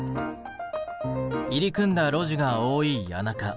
入り組んだ路地が多い谷中。